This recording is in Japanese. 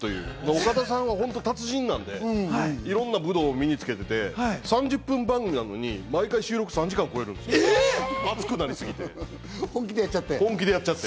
岡田さん、達人なんで、いろんな武道を身につけていて、３０分番組なのに、毎回収録３時間超えるんです、熱くなりすぎて、本気でやっちゃって。